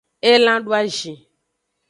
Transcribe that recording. Elan doazin.